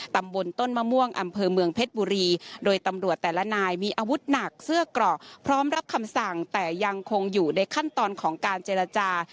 ตำบลต้นมะม่วงอำเภอเมืองเพชรบุรีโดยตำรวจแต่ละนายมีอาวุธหนักเสื้อเกราะพร้อมรับคำสั่งแต่ยังคงอยู่ในขั้นตอนของการเจรจา